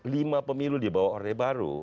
lima pemilu dibawa orangnya baru